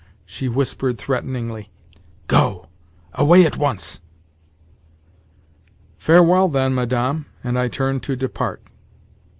she whispered threateningly. "Go! Away at once!" "Farewell, then, Madame." And I turned to depart.